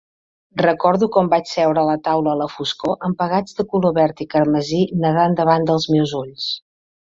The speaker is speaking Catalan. Recordo com vaig seure a taula a la foscor amb pegats de color verd i carmesí nedant davant dels meus ulls.